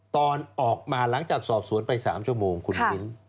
ตอนออกมาหลังจากสอบสวนไป๓ชั่วโมงคุณมิ้น